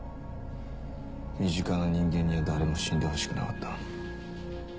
身近な人間には誰も死んでほしくなかった。